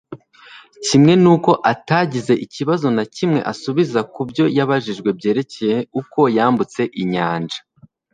kimwe nuko atagize ikibazo na kimwe asubiza ku byo yabajijwe byerekeye uko yambutse inyanja.